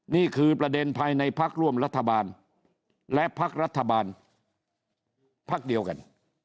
นี่คือประเด็นภายในพักร่วมรัฐบาลและพักรัฐบาลพักเดียวกัน